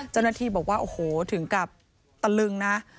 เจ้าหน้าที่บอกว่าโอ้โหถึงกับตะลึงนะ